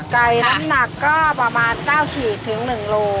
ใส่น้ำหนักก็ประมาณ๙๑ลูก